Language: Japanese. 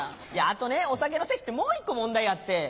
あとねお酒の席ってもう１個問題あって。